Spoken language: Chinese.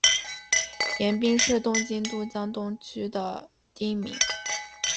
盐滨是东京都江东区的町名。